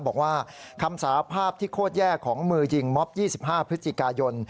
บอกว่าคำสาภาพที่โคตรแย่ของมือยิงม็อบ๒๕พฤศจิกายน